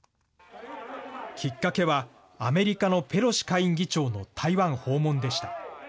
きっかけはアメリカのペロシ下院議長の台湾訪問でした。